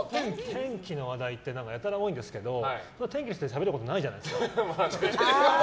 天気の話題ってやたら多いんですけど天気ってしゃべることないじゃないですか。